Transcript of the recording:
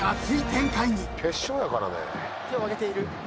手を上げている。